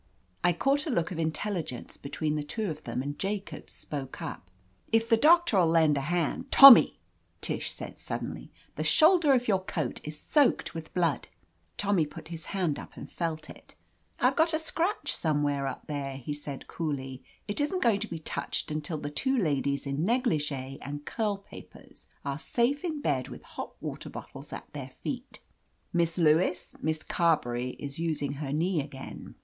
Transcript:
I caught a look of intelligence between the two of them, and Jacobs spoke up. "If the doctor'U lend a hand—" "Tommy," Tish said suddenly, "the shoul der of your coat is soaked with blood !" Tommy put his hand up and felt it. "I've got a scratch somewhere up there," he said coolly. "It isn't going to be touched until the two ladies in negligee and curl papers are safe in bed with hot water bottles at their feet. Miss Lewis, Miss Carbeny is using her knee again